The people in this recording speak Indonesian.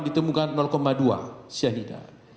ditemukan dua cyanida